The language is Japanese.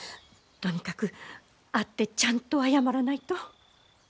とにかく会ってちゃんと謝らないと。